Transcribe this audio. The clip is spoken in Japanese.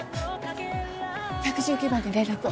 １１９番に連絡を。